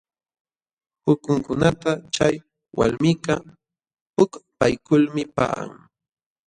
Pukunkunata chay walmikaq pukpaykulmi paqan.